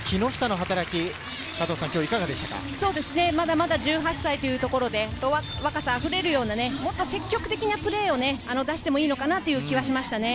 まだ１８歳で、若さあふれるような、もっと積極的なプレーを出してもいいのかなという気がしました。